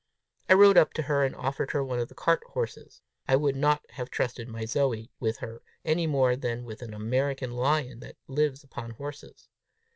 I rode up to her, and offered her one of the cart horses: I would not have trusted my Zoe with her any more than with an American lion that lives upon horses.